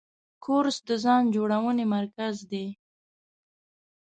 کورس د ځان جوړونې مرکز دی.